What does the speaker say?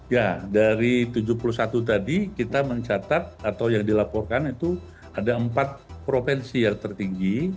ya dari tujuh puluh satu tadi kita mencatat atau yang dilaporkan itu ada empat provinsi yang tertinggi